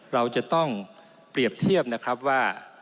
เราจะต้องเปรียบเทียบนะครับว่า